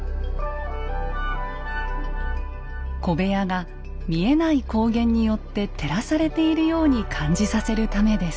小部屋が見えない光源によって照らされているように感じさせるためです。